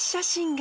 が